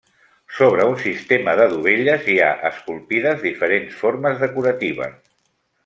Sobre un sistema de dovelles hi ha, esculpides diferents formes decoratives.